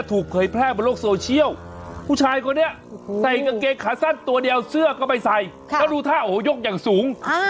อุ้วฮู